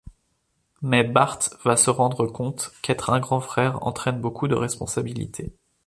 Mais Bart va se rendre compte qu'être un grand frère entraine beaucoup de responsabilités.